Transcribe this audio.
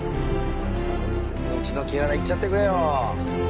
うちのキハダいっちゃってくれよ。